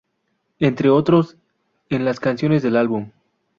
Entre otros en las canciones del álbum.